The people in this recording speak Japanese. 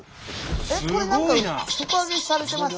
これ何か底上げされてます？